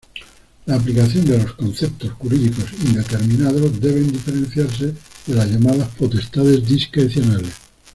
La aplicación de los conceptos jurídicos indeterminados deben diferenciarse de las llamadas potestades discrecionales.